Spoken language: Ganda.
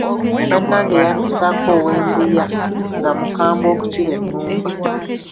Bannange yampisaako ow'e Mbuya, nga mukambwe okukira ennumba!